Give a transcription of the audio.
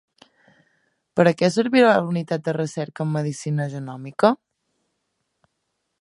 Per a què servirà la unitat de recerca en medicina genòmica?